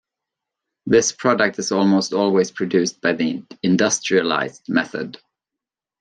This product is almost always produced by the industrialized method.